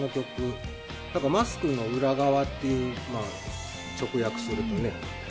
マスクの裏側っていう、直訳するとね。